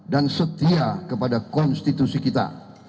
dan setia kepada konstitusi kita